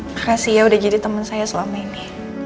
makasih ya udah jadi teman saya selama ini